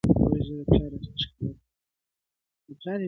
• د وصال په شپه کي راغلم له هجران سره همزولی -